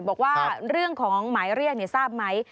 บอกว่าเรื่องของหมายเรียกทราบไหม